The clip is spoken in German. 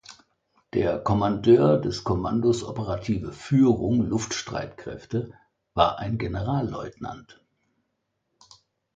Der Kommandeur des Kommandos Operative Führung Luftstreitkräfte war ein Generalleutnant.